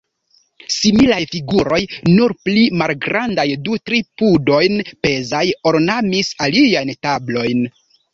Similaj figuroj, nur pli malgrandaj, du-tri pudojn pezaj, ornamis aliajn tablojn.